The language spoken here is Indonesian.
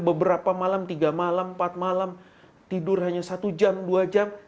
beberapa malam tiga malam empat malam tidur hanya satu jam dua jam